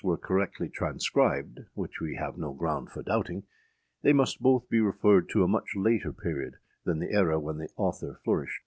were correctly transcribed, which we have no ground for doubting, they must both be referred to a much later period than the era when the author flourished.